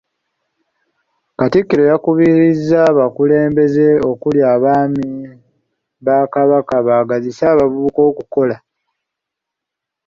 Katikkiro yakubirizza abakulembeze okuli n’Abaami ba Kabaka baagazise abavubuka okukola.